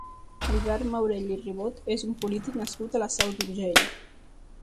Albert Maurell i Ribot és un polític nascut a la Seu d'Urgell.